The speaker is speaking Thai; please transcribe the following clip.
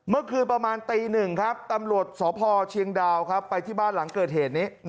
เมื่อคืนประมาณตี๑ครับตำรวจสพเชียงดาวไปที่บ้านหลังเกิดเหตุนี้